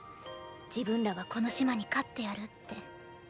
自分らはこの島に勝ってやるって。